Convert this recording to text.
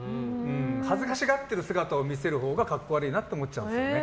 恥ずかしがってる姿を見せるほうが格好悪いなと思っちゃうんですよね。